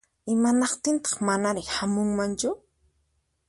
Imanaqtintaq manari hamunmanchu?